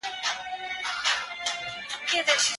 زه د پوهي او علم لاره لټوم.